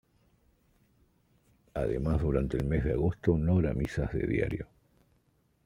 Además, durante el mes de agosto no habrá misas de diario.